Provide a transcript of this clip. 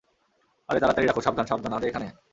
আরে, তাড়াতাড়ি রাখ - সাবধান, সাবধান - আরে, এখানে।